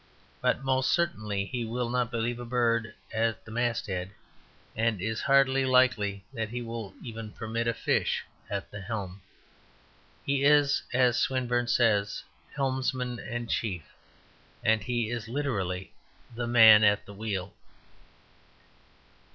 But most certainly he will not believe a bird at the masthead; and it is hardly likely that he will even permit a fish at the helm. He is, as Swinburne says, helmsman and chief: he is literally the Man at the Wheel.